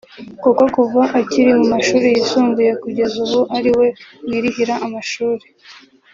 kuko kuva akiri mu mashuri yisumbuye kugeza ubu ari we wirihira amashuri